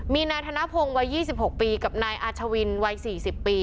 มีนายธนพงวัยยี่สิบหกปีกับนายอาชวินวัยสี่สิบปี